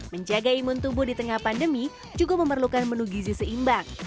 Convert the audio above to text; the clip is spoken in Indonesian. menjaga imun tubuh di tengah pandemi juga memerlukan menu gizi seimbang